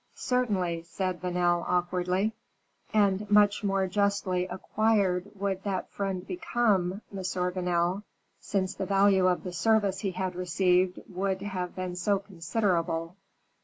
"Certainly," said Vanel, awkwardly. "And much more justly acquired would that friend become, Monsieur Vanel, since the value of the service he had received would have been so considerable.